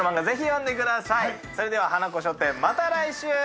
ぜひ読んでくださいそれではハナコ書店また来週！